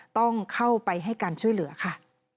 ต้องเข้าไปให้การช่วยเหลือค่ะ